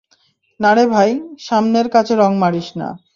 না রে ভাই, সামনের কাঁচে রং মারিস না।